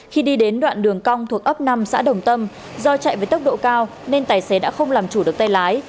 khi đi đến đoạn đường cong thuộc ấp năm xã đồng tâm do chạy với tốc độ cao nên tài xế đã không làm chủ được tay lái